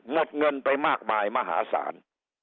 หมดเงินไปมากมายมหาศาล